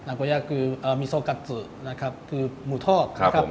นากโกย่าคือมิสโซกัตซุนะครับคือหมูทอดครับ